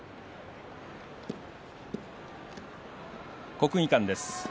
国技館です。